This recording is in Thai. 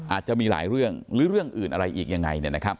อาจจะมีหลายเรื่องหรือเรื่องอื่นอะไรอีกยังไง